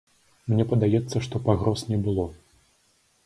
Мне падаецца, што пагроз не было.